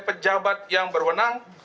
pejabat yang berwenang